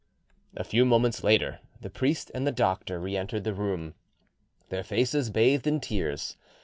A few moments later the priest and the doctor re entered the room, their faces bathed, in tears.